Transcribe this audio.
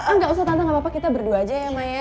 enggak usah tante gak apa apa kita berdua aja ya mai ya